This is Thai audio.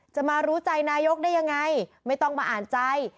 จะมารู้ใจนายกได้ยังไงไม่ต้องมาอ่านใจ